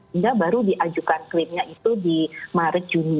hingga baru diajukan klaimnya itu di maret juni